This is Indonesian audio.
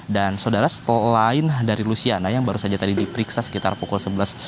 dan saudara setelah lain dari lusiana yang baru saja tadi diperiksa sekitar pukul sebelas dua puluh